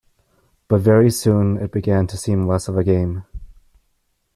But very soon it began to seem less of a game.